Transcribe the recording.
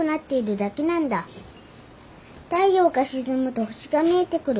太陽が沈むと星が見えてくる。